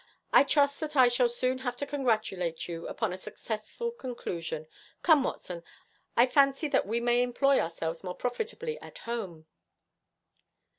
I trust that I shall soon have to congratulate you upon a successful conclusion. Come, Watson, I fancy that we may employ ourselves more profitably at home.'